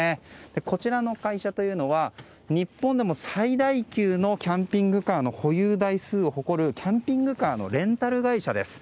こちらの会社は日本でも最大級のキャンピングカーの保有台数を誇るキャンピングカーのレンタル会社です。